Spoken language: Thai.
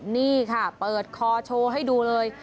นี่ค่ะเปิดคอโชว์ให้ดูเลย